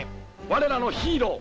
我らのヒーロー！